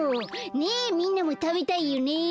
ねえみんなもたべたいよね？